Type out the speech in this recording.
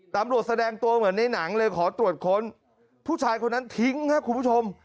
ตำรวจแสดงตัวเหมือนในหนังเลยขอตรวจค้นผู้ชายคนนั้นทิ้งครับคุณผู้ชม